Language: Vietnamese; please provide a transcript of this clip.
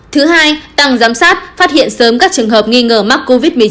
thứ hai tăng giám sát phát hiện sớm các trường hợp nghi ngờ mắc covid một mươi chín